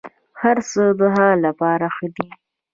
هرڅه د هغه لپاره ښه دي.